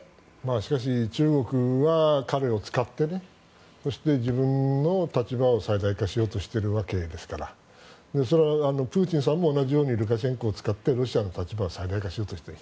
しかし中国は彼を使ってそして自分の立場を最大化しようとしているわけですからそれはプーチンさんも同じようにルカシェンコを使ってロシアの立場を最大化しようとしている。